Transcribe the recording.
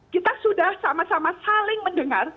kita sudah sama sama saling mendengar